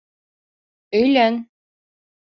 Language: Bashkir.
Өйлән.